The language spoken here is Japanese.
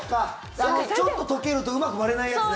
ちょっと溶けるとうまく割れないやつね。